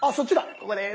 ここです。